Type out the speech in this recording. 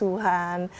tidak ada kondisi